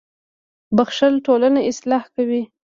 • بښل ټولنه اصلاح کوي.